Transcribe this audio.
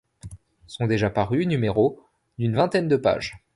Sont déjà parus numéros d'une vingtaine de pages.